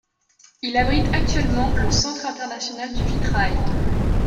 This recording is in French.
Il abrite actuellement le Centre international du vitrail.